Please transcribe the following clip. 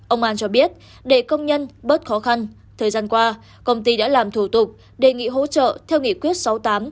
ông an cho biết để công nhân bớt khó khăn thời gian qua công ty đã làm thủ tục đề nghị hỗ trợ theo nghị quyết sáu mươi tám